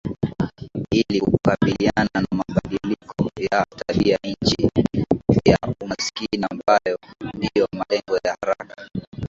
ili kukabiliana na mabadiliko ya tabia nchi na umaskini ambayo ndio malengo ya haraka